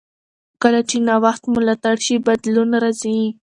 کله چې نوښت ملاتړ شي، بدلون راځي.